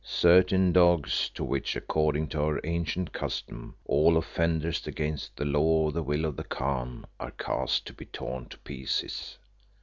"Certain dogs to which, according to our ancient custom, all offenders against the law or the will of the Khan, are cast to be torn to pieces."